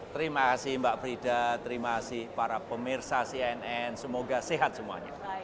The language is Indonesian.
terima kasih mbak frida terima kasih para pemirsa cnn semoga sehat semuanya